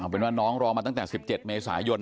เอาเป็นน่องรอมาตั้งแต่๑๗เมษายน